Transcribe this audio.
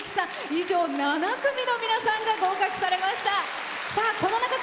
以上７組の皆さんが合格されました。